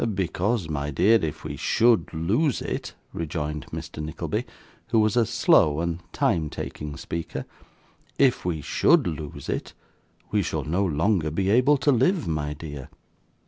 'Because, my dear, if we SHOULD lose it,' rejoined Mr. Nickleby, who was a slow and time taking speaker, 'if we SHOULD lose it, we shall no longer be able to live, my dear.